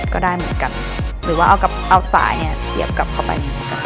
ก็ได้เหมือนกันหรือว่าเอาสายเนี่ยเสียบกลับเข้าไป